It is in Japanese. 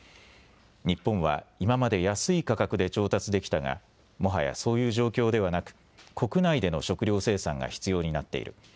日本は今まで安い価格で調達できたが、もはやそういう状況ではなく、国内での食料生産が必要になっている。